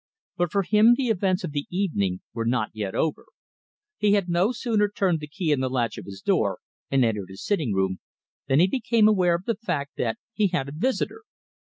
But for him the events of the evening were not yet over. He had no sooner turned the key in the latch of his door and entered his sitting room, than he became aware of the fact that he had a visitor.